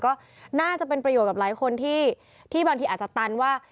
ก็น่าจะเป็นประโยชน์กับหลายคนที่บางทีอาจจะตันว่า